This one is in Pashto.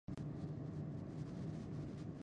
خدمت د انسانیت لپاره وکړه،